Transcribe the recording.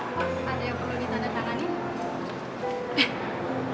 maaf pak ada yang perlu ditanda tangan ini